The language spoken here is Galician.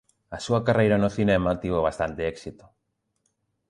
A súa carreira no cinema tivo bastante éxito.